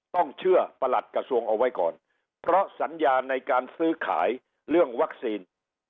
ต้องเชื่อประหลัดกระทรวงเอาไว้ก่อนเพราะสัญญาในการซื้อขายเรื่องวัคซีน